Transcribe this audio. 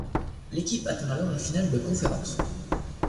L'équipe atteint alors la finale de Conférence.